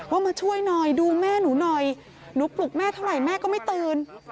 มาช่วยหน่อยดูแม่หนูหน่อยหนูปลุกแม่เท่าไหร่แม่ก็ไม่ตื่น